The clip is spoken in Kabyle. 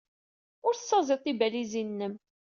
Ur tessaẓyed tibalizin-nnem.